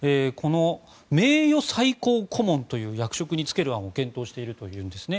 名誉最高顧問という役職に就ける案を検討しているといいます。